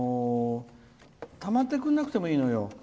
たまってくれなくてもいいのよ。